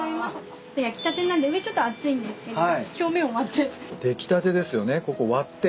焼きたてなんで上ちょっと熱いんですけども表面を割って。